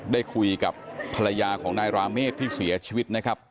ได้คุยกับภรรยาของนายราเมฆที่เสียชีวิตนะครับ